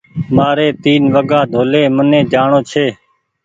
مآري تين وگآ ڊولي مني جآڻو ڇي